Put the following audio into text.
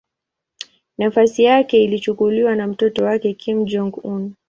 Nafasi yake ilichukuliwa na mtoto wake Kim Jong-un.